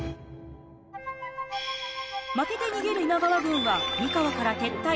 負けて逃げる今川軍は三河から撤退。